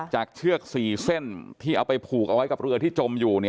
เชือก๔เส้นที่เอาไปผูกเอาไว้กับเรือที่จมอยู่